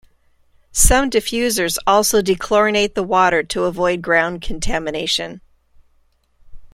Some diffusers also dechlorinate the water to avoid ground contamination.